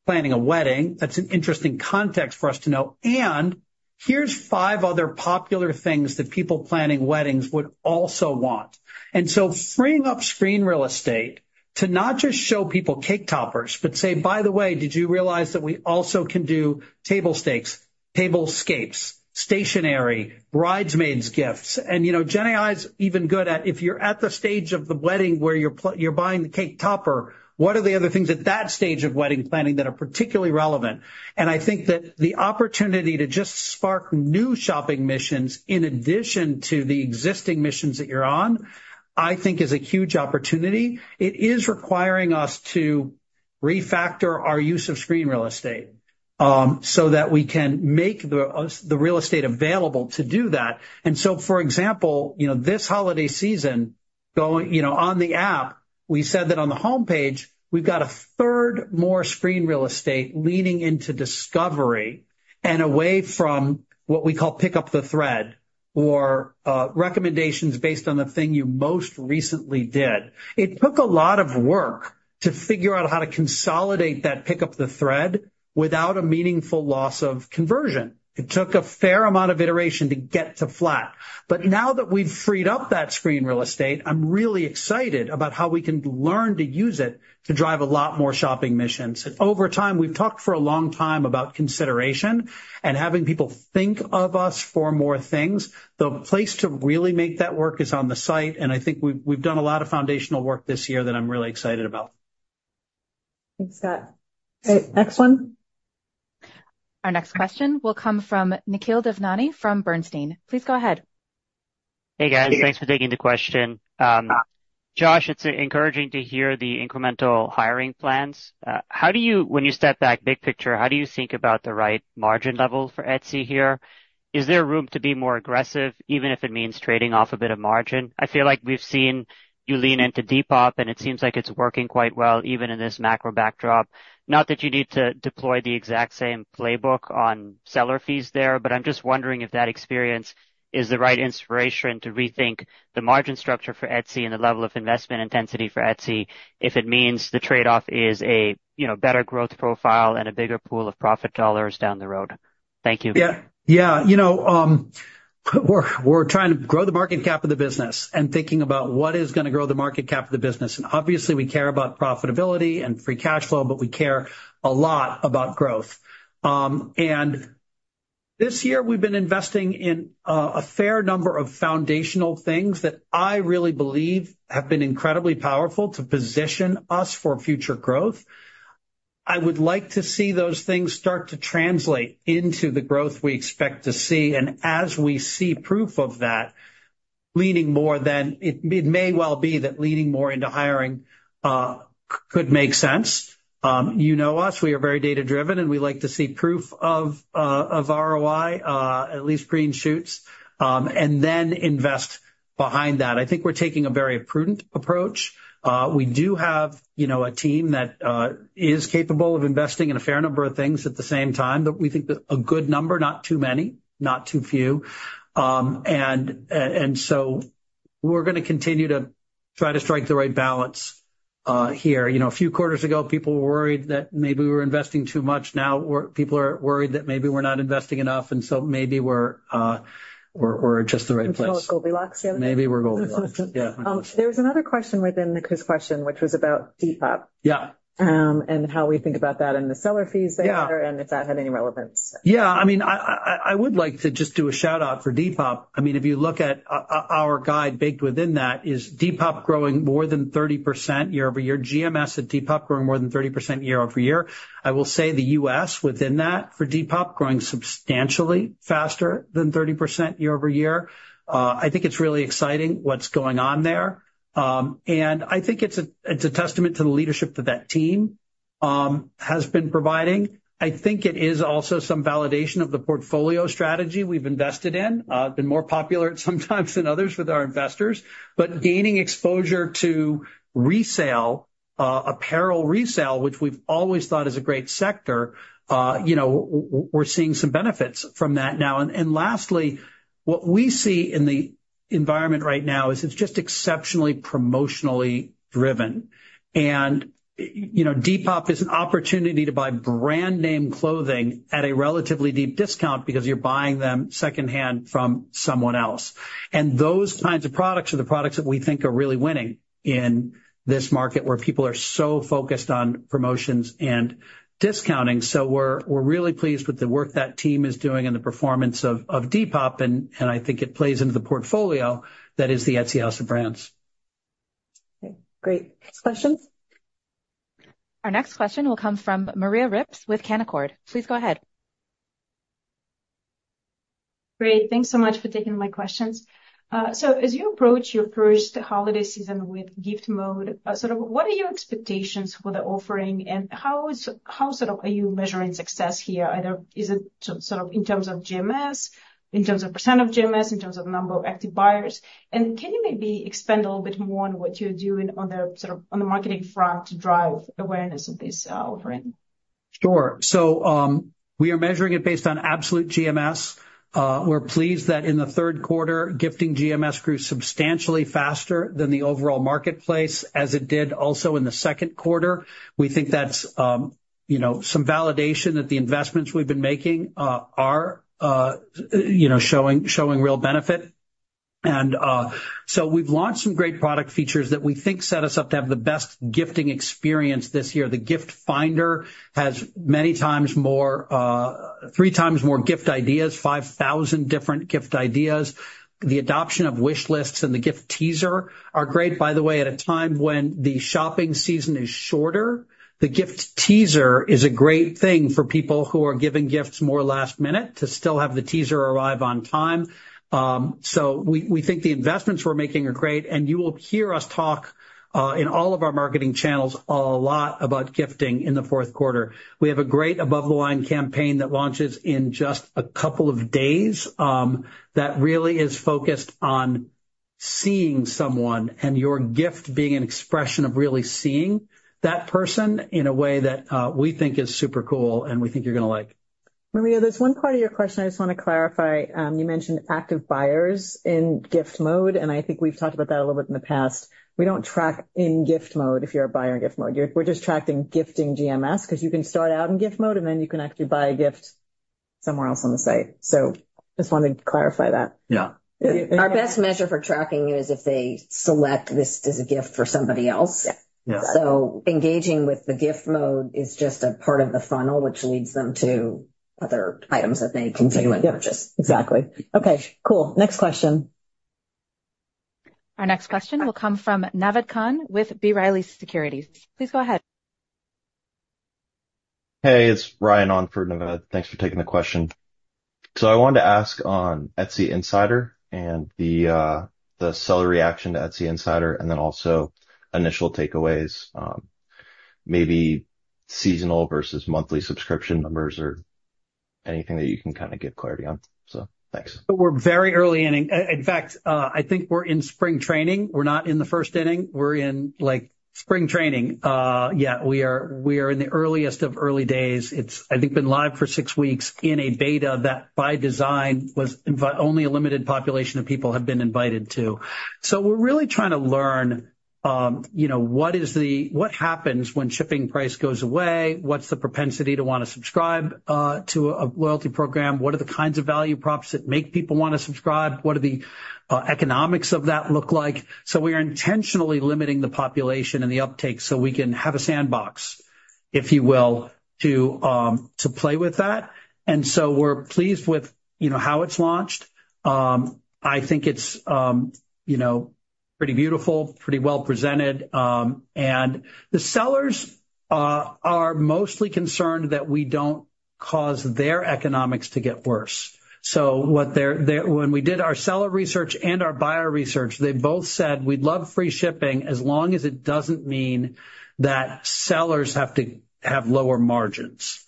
planning a wedding. That's an interesting context for us to know. And here's 5 other popular things that people planning weddings would also want." And so freeing up screen real estate to not just show people cake toppers, but say, "By the way, did you realize that we also can do table settings, tablescapes, stationery, bridesmaids' gifts?" And GenAI is even good at, "If you're at the stage of the wedding where you're buying the cake topper, what are the other things at that stage of wedding planning that are particularly relevant?" And I think that the opportunity to just spark new shopping missions in addition to the existing missions that you're on, I think, is a huge opportunity. It is requiring us to refactor our use of screen real estate so that we can make the real estate available to do that. And so, for example, this holiday season, on the app, we said that on the homepage, we've got a third more screen real estate leaning into discovery and away from what we call Pick Up the Thread or recommendations based on the thing you most recently did. It took a lot of work to figure out how to consolidate that Pick Up the Thread without a meaningful loss of conversion. It took a fair amount of iteration to get to flat. But now that we've freed up that screen real estate, I'm really excited about how we can learn to use it to drive a lot more shopping missions. And over time, we've talked for a long time about consideration and having people think of us for more things. The place to really make that work is on the site. And I think we've done a lot of foundational work this year that I'm really excited about. Thanks, Scott. Great. Next one. Our next question will come from Nikhil Devnani from Bernstein. Please go ahead. Hey, guys. Thanks for taking the question. Josh, it's encouraging to hear the incremental hiring plans. When you step back, big picture, how do you think about the right margin level for Etsy here? Is there room to be more aggressive, even if it means trading off a bit of margin? I feel like we've seen you lean into Depop, and it seems like it's working quite well even in this macro backdrop. Not that you need to deploy the exact same playbook on seller fees there, but I'm just wondering if that experience is the right inspiration to rethink the margin structure for Etsy and the level of investment intensity for Etsy if it means the trade-off is a better growth profile and a bigger pool of profit dollars down the road? Thank you. Yeah. Yeah. We're trying to grow the market cap of the business and thinking about what is going to grow the market cap of the business. And obviously, we care about profitability and free cash flow, but we care a lot about growth. And this year, we've been investing in a fair number of foundational things that I really believe have been incredibly powerful to position us for future growth. I would like to see those things start to translate into the growth we expect to see. As we see proof of that, leaning more than it may well be that leaning more into hiring could make sense. You know us. We are very data-driven, and we like to see proof of ROI, at least green shoots, and then invest behind that. I think we're taking a very prudent approach. We do have a team that is capable of investing in a fair number of things at the same time, but we think a good number, not too many, not too few. We are going to continue to try to strike the right balance here. A few quarters ago, people were worried that maybe we were investing too much. Now, people are worried that maybe we're not investing enough, and so maybe we're just the right place. Maybe we're Goldilocks. Yeah. There was another question within the quiz question, which was about Depop and how we think about that and the seller fees there, and if that had any relevance. Yeah. I mean, I would like to just do a shout-out for Depop. I mean, if you look at our guide baked within that, is Depop growing more than 30% year-over-year? GMS at Depop growing more than 30% year-over-year. I will say the U.S. within that for Depop growing substantially faster than 30% year-over-year. I think it's really exciting what's going on there, and I think it's a testament to the leadership that that team has been providing. I think it is also some validation of the portfolio strategy we've invested in. It's been more popular at some times than others with our investors. But gaining exposure to resale, apparel resale, which we've always thought is a great sector, we're seeing some benefits from that now. And lastly, what we see in the environment right now is it's just exceptionally promotionally driven. And Depop is an opportunity to buy brand-name clothing at a relatively deep discount because you're buying them secondhand from someone else. And those kinds of products are the products that we think are really winning in this market where people are so focused on promotions and discounting. So we're really pleased with the work that team is doing and the performance of Depop. And I think it plays into the portfolio that is the Etsy House of Brands. Okay. Great. Next question. Our next question will come from Maria Rips with Canaccord. Please go ahead. Great. Thanks so much for taking my questions. As you approach your first holiday season with Gift Mode, what are your expectations for the offering? And how are you measuring success here? Is it in terms of GMS, in terms of percent of GMS, in terms of number of active buyers? And can you maybe expand a little bit more on what you're doing on the marketing front to drive awareness of this offering? Sure. We are measuring it based on absolute GMS. We're pleased that in the third quarter, gifting GMS grew substantially faster than the overall marketplace as it did also in the second quarter. We think that's some validation that the investments we've been making are showing real benefit. We've launched some great product features that we think set us up to have the best gifting experience this year. The Gift Finder has many times more, 3X more gift ideas, 5,000 different gift ideas. The adoption of wish lists and the Gift Teaser are great, by the way. At a time when the shopping season is shorter, the Gift Teaser is a great thing for people who are giving gifts more last minute to still have the teaser arrive on time. So we think the investments we're making are great. And you will hear us talk in all of our marketing channels a lot about gifting in the 4th quarter. We have a great above-the-line campaign that launches in just a couple of days that really is focused on seeing someone and your gift being an expression of really seeing that person in a way that we think is super cool and we think you're going to like. Maria, there's one part of your question I just want to clarify. You mentioned active buyers in gift mode, and I think we've talked about that a little bit in the past. We don't track in gift mode if you're a buyer in gift mode. We're just tracking gifting GMS because you can start out in gift mode and then you can actually buy a gift somewhere else on the site. So I just wanted to clarify that. Yeah. Our best measure for tracking it is if they select this as a gift for somebody else. So engaging with the gift mode is just a part of the funnel, which leads them to other items that they can do and purchase. Exactly. Okay. Cool. Next question. Our next question will come from Naved Khan with B. Riley Securities. Please go ahead. Hey, it's Ryan on for Navid. Thanks for taking the question. So I wanted to ask on Etsy Insider and the seller reaction to Etsy Insider and then also initial takeaways, maybe seasonal versus monthly subscription numbers or anything that you can kind of give clarity on. So thanks. But we're very early in. In fact, I think we're in spring training. We're not in the first inning. We're in spring training yet. We are in the earliest of early days. It's, I think, been live for 6 weeks in a beta that by design was only a limited population of people have been invited to. So we're really trying to learn what happens when shipping price goes away, what's the propensity to want to subscribe to a loyalty program, what are the kinds of value props that make people want to subscribe, what do the economics of that look like. So we are intentionally limiting the population and the uptake so we can have a sandbox, if you will, to play with that. And so we're pleased with how it's launched. I think it's pretty beautiful, pretty well-presented. And the sellers are mostly concerned that we don't cause their economics to get worse. So when we did our seller research and our buyer research, they both said, "We'd love free shipping as long as it doesn't mean that sellers have to have lower margins."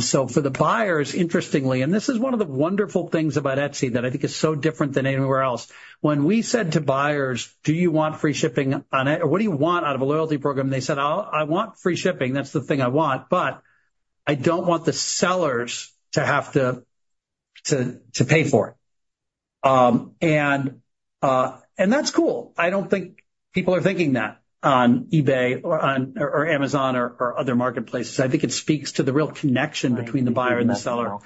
So for the buyers, interestingly, and this is one of the wonderful things about Etsy that I think is so different than anywhere else. When we said to buyers, "Do you want free shipping on it? Or what do you want out of a loyalty program?" They said, "I want free shipping. That's the thing I want. But I don't want the sellers to have to pay for it." And that's cool. I don't think people are thinking that on eBay or Amazon or other marketplaces. I think it speaks to the real connection between the buyer and the seller.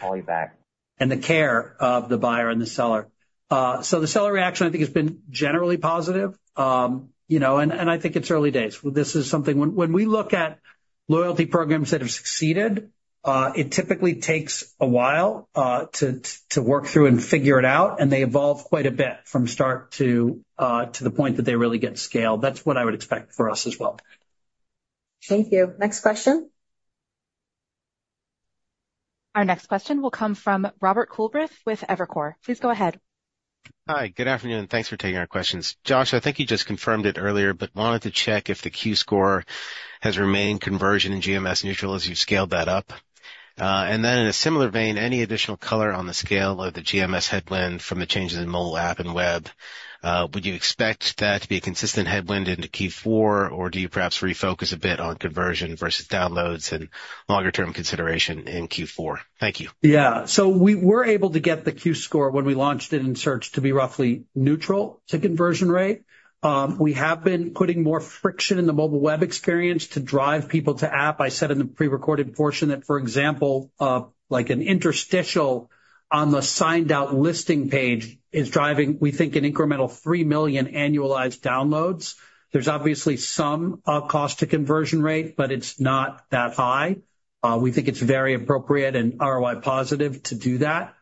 And the care of the buyer and the seller. So the seller reaction, I think, has been generally positive. And I think it's early days. This is something when we look at loyalty programs that have succeeded; it typically takes a while to work through and figure it out. And they evolve quite a bit from start to the point that they really get scaled. That's what I would expect for us as well. Thank you. Next question. Our next question will come from Robert Coolbrith with Evercore ISI. Please go ahead. Hi. Good afternoon. Thanks for taking our questions. Josh, I think you just confirmed it earlier, but wanted to check if the Q-score has remained conversion and GMS neutral as you've scaled that up. And then in a similar vein, any additional color on the scale of the GMS headwind from the changes in mobile app and web? Would you expect that to be a consistent headwind into Q4, or do you perhaps refocus a bit on conversion versus downloads and longer-term consideration in Q4? Thank you. Yeah, so we were able to get the Q-score when we launched it in search to be roughly neutral to conversion rate. We have been putting more friction in the mobile web experience to drive people to app. I said in the prerecorded portion that, for example, an interstitial on the signed-out listing page is driving, we think, an incremental 3 million annualized downloads. There's obviously some cost to conversion rate, but it's not that high. We think it's very appropriate and ROI positive to do that.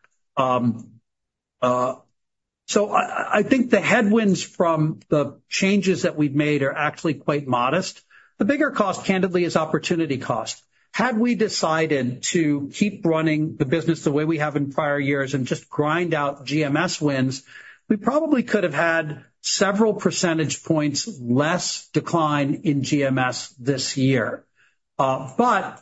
So I think the headwinds from the changes that we've made are actually quite modest. The bigger cost, candidly, is opportunity cost. Had we decided to keep running the business the way we have in prior years and just grind out GMS wins, we probably could have had several percentage points less decline in GMS this year. But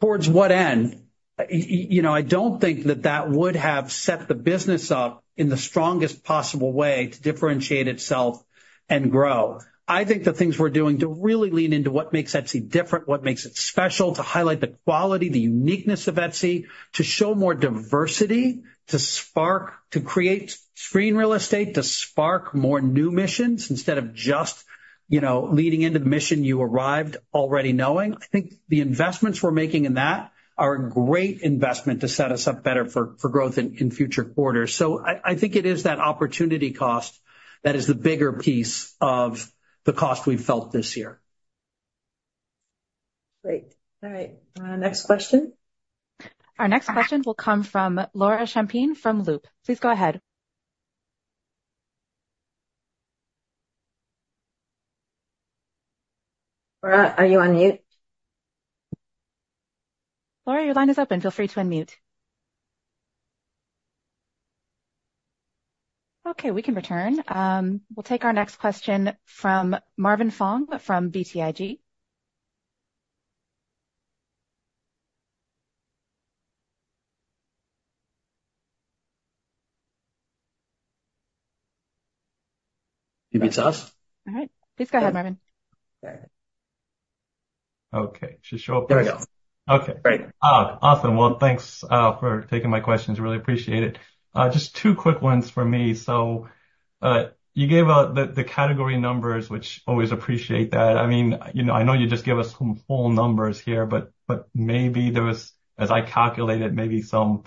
towards what end? I don't think that that would have set the business up in the strongest possible way to differentiate itself and grow. I think the things we're doing to really lean into what makes Etsy different, what makes it special, to highlight the quality, the uniqueness of Etsy, to show more diversity, to spark, to create screen real estate, to spark more new missions instead of just leading into the mission you arrived already knowing. I think the investments we're making in that are a great investment to set us up better for growth in future quarters. So I think it is that opportunity cost that is the bigger piece of the cost we've felt this year. Great. All right. Next question. Our next question will come from Laura Champine from Loop. Please go ahead. Laura, are you on mute? Laura, your line is open. Feel free to unmute. Okay. We can return. We'll take our next question from Marvin Fong from BTIG. You be tough. All right. Please go ahead, Marvin. Well, thanks for taking my questions. Really appreciate it. Just 2 quick ones for me. So you gave the category numbers, which always appreciate that. I mean, I know you just gave us some full numbers here, but maybe there was, as I calculated, maybe some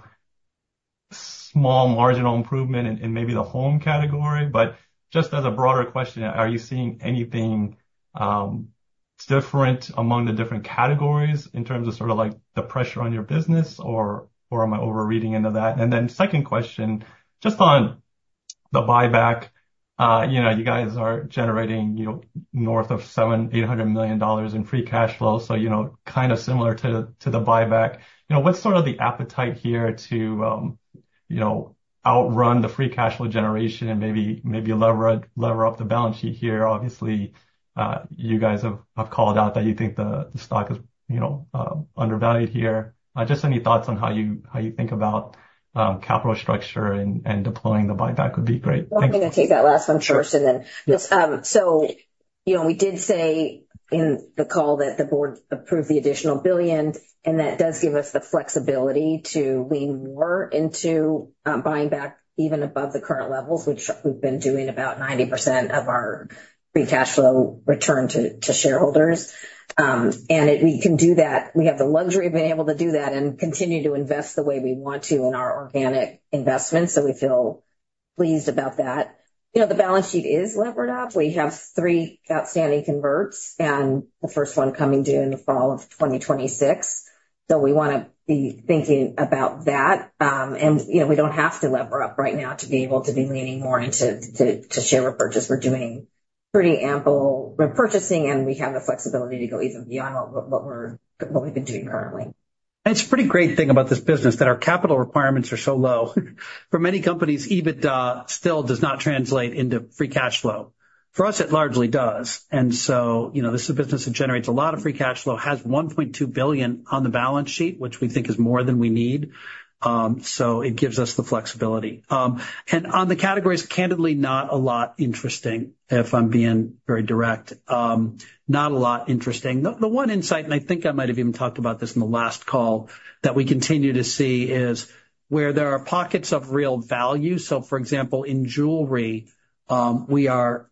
small marginal improvement in maybe the home category. But just as a broader question, are you seeing anything different among the different categories in terms of sort of the pressure on your business, or am I overreading into that? And then second question, just on the buyback, you guys are generating north of $700-800 million in free cash flow. So kind of similar to the buyback. What's sort of the appetite here to outrun the free cash flow generation and maybe lever up the balance sheet here? Obviously, you guys have called out that you think the stock is undervalued here. Just any thoughts on how you think about capital structure and deploying the buyback would be great? I'm going to take that last one first and then so we did say in the call that the board approved the additional $1 billion, and that does give us the flexibility to lean more into buying back even above the current levels, which we've been doing about 90% of our free cash flow return to shareholders. And we can do that. We have the luxury of being able to do that and continue to invest the way we want to in our organic investments. So we feel pleased about that. The balance sheet is levered up. We have 3 outstanding converts, and the first one coming due in the fall of 2026. So we want to be thinking about that. And we don't have to lever up right now to be able to be leaning more into share repurchase. We're doing pretty ample repurchasing, and we have the flexibility to go even beyond what we've been doing currently. It's a pretty great thing about this business that our capital requirements are so low. For many companies, EBITDA still does not translate into free cash flow. For us, it largely does. And so this is a business that generates a lot of free cash flow, has $1.2 billion on the balance sheet, which we think is more than we need. So it gives us the flexibility. And on the categories, candidly, not a lot interesting, if I'm being very direct. Not a lot interesting. The one insight, and I think I might have even talked about this in the last call, that we continue to see is where there are pockets of real value. So for example, in jewelry, we are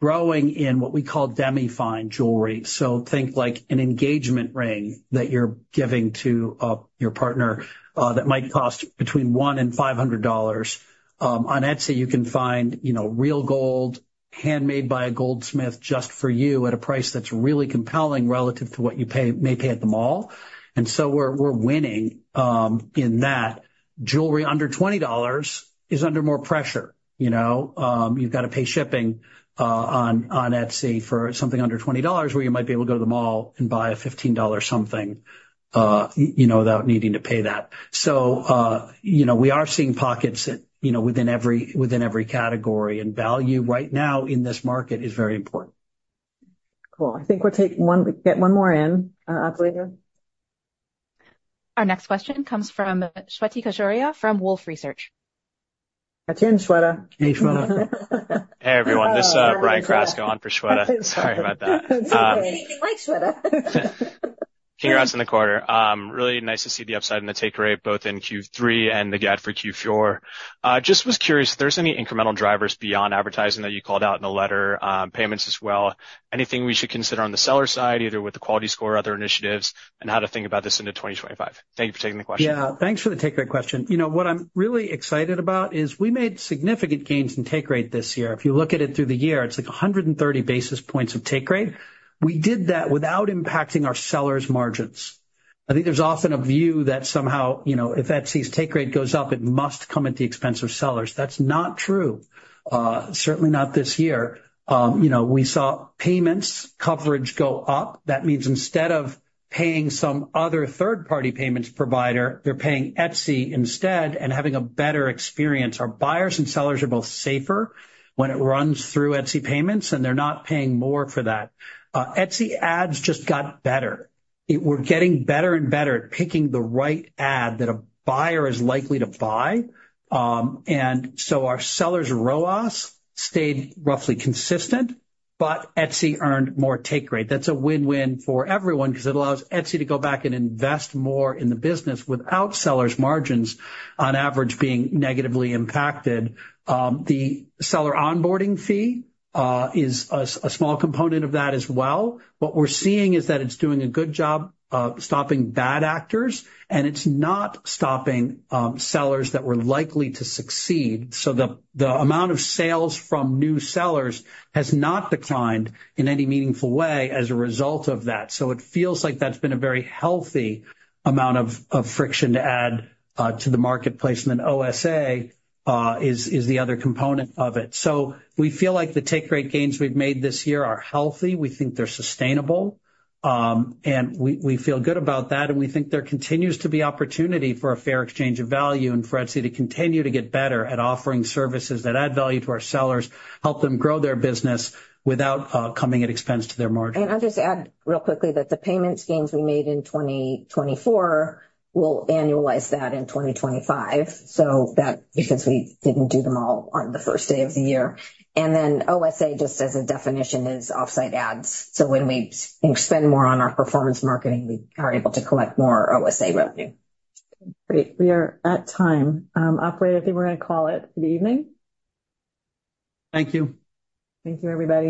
growing in what we call democratizing jewelry. So think like an engagement ring that you're giving to your partner that might cost between one and $500. On Etsy, you can find real gold handmade by a goldsmith just for you at a price that's really compelling relative to what you may pay at the mall. And so we're winning in that. Jewelry under $20 is under more pressure. You've got to pay shipping on Etsy for something under $20 where you might be able to go to the mall and buy a $15 something without needing to pay that. So we are seeing pockets within every category. And value right now in this market is very important. Cool. I think we'll get one more in. Our next question comes from Shweta Khajuria from Wolfe Research. That's in, Shweta. Hey, Shweta. Hey, everyone. This is Brian Crasco on for Shweta. Sorry about that. I think we're all missing Shweta. Really nice to see the upside in the take rate, both in Q3 and the guide for Q4. Just was curious, if there's any incremental drivers beyond advertising that you called out in the letter, payments as well, anything we should consider on the seller side, either with the Quality Score or other initiatives, and how to think about this into 2025? Thank you for taking the question. Yeah. Thanks for the take rate question. What I'm really excited about is we made significant gains in take rate this year. If you look at it through the year, it's like 130 basis points of take rate. We did that without impacting our sellers' margins. I think there's often a view that somehow if Etsy's take rate goes up, it must come at the expense of sellers. That's not true. Certainly not this year. We saw payments coverage go up. That means instead of paying some other third-party payments provider, they're paying Etsy instead and having a better experience. Our buyers and sellers are both safer when it runs through Etsy Payments, and they're not paying more for that. Etsy Ads just got better. We're getting better and better at picking the right ad that a buyer is likely to buy. And so our sellers' ROAS stayed roughly consistent, but Etsy earned more take rate. That's a win-win for everyone because it allows Etsy to go back and invest more in the business without sellers' margins on average being negatively impacted. The seller onboarding fee is a small component of that as well. What we're seeing is that it's doing a good job stopping bad actors, and it's not stopping sellers that were likely to succeed. So the amount of sales from new sellers has not declined in any meaningful way as a result of that. So it feels like that's been a very healthy amount of friction to add to the marketplace. And then OSA is the other component of it. So we feel like the take rate gains we've made this year are healthy. We think they're sustainable. And we feel good about that. And we think there continues to be opportunity for a fair exchange of value and for Etsy to continue to get better at offering services that add value to our sellers, help them grow their business without coming at expense to their margin. And I'll just add real quickly that the payment schemes we made in 2024 will annualize that in 2025. So that because we didn't do them all on the first day of the year. And then OSA, just as a definition, is offsite ads. So when we spend more on our performance marketing, we are able to collect more OSA revenue. Great. We are at time. Operator, I think we're going to call it for the evening. Thank you. Thank you, everybody.